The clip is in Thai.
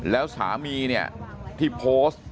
แล้วสามีที่โพส